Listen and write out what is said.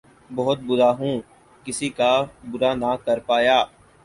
بہت بُرا ہُوں! کسی کا بُرا نہ کر پایا